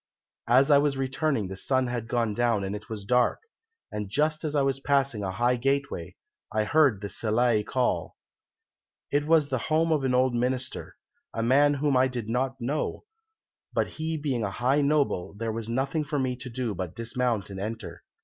As I was returning the sun had gone down and it was dark, and just as I was passing a high gateway, I heard the Sillai call. It was the home of an old Minister, a man whom I did not know, but he being a high noble there was nothing for me to do but to dismount and enter.